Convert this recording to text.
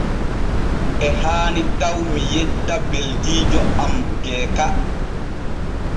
E haani taw mi yetta beldiijo am Geeka.